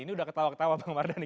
ini udah ketawa ketawa bang mardhani